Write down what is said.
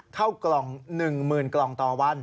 ข้าวกล่อง๑หมื่นกล่องต่อวัน